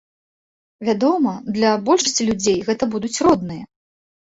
Вядома, для большасці людзей гэта будуць родныя.